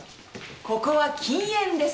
ここは禁煙です！